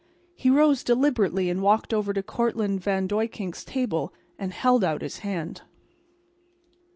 He rose deliberately and walked over to Cortlandt Van Duyckink's table and held out his hand.